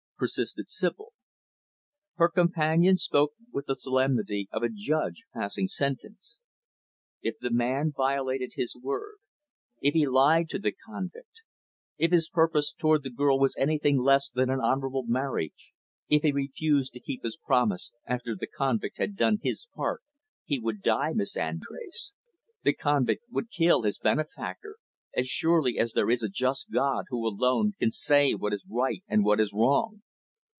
persisted Sibyl. Her companion spoke with the solemnity of a judge passing sentence; "If the man violated his word if he lied to the convict if his purpose toward the girl was anything less than an honorable marriage if he refused to keep his promise after the convict had done his part he would die, Miss Andrés. The convict would kill his benefactor as surely as there is a just God who, alone, can say what is right and what is wrong."